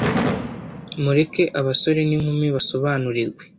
Mureke abasore n’inkumi basobanurirwe